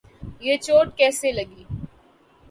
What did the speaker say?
یہ چوٹ کیسے لگی؟